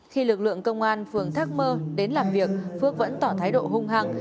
khi lực lượng công an phường thác mơ đến làm việc phước vẫn tỏ thái độ hung hăng